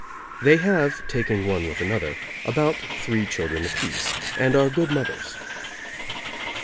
They have, taking one with another, about three children apiece, and are good mothers.